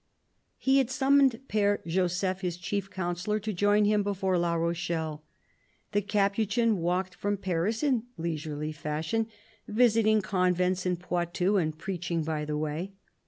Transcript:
He had summoned Pfere Joseph, his chief counsellor, to join him before La Rochelle. The Capuchin walked from Paris in leisurely fashion, visiting convents in Poitou and preaching by the way.